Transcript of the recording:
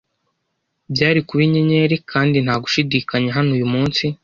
Byari kuba inyenyeri, kandi nta gushidikanya hano uyu munsi. "